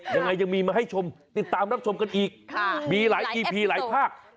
ยังไงยังมีมาให้ชมติดตามรับชมกันอีกมีอีพีหลายภาพ